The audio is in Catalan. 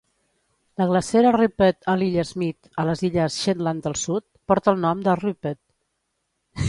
La glacera Rupite a l'Illa Smith, a les Illes Shetland del Sud, porta el nom de Rupite.